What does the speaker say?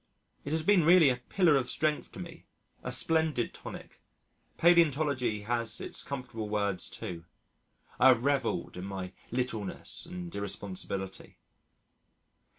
It has been really a Pillar of Strength to me a splendid tonic. Palæontology has its comfortable words too. I have revelled in my littleness and irresponsibility.